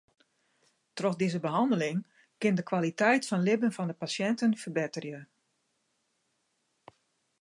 Troch dizze behanneling kin de kwaliteit fan libben fan de pasjinten ferbetterje.